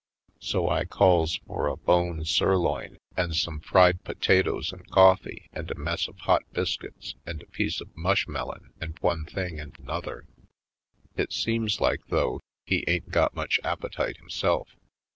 So I calls for a bone sirloin and some fried 78 /. Poindexter^ Colored potatoes and coffee and a mess of hot bis cuits and a piece of mushmelon and one thing and another. It seems like, though, he ain't got much appetite himself.